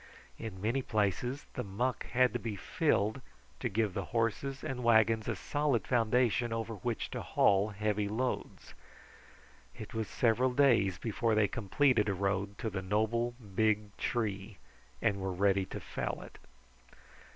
In many places the muck had to be filled to give the horses and wagons a solid foundation over which to haul heavy loads. It was several days before they completed a road to the noble, big tree and were ready to fell it.